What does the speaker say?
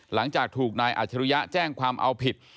หลังจากถูกนายอาจรุยะแจ้งความเอาผิด